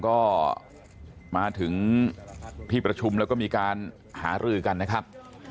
ก็มาถึงที่ประชุมแล้วก็มีการหารือกันนะครับ